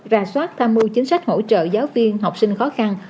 ra soát tham mưu chính sách hỗ trợ giáo viên học sinh khó khăn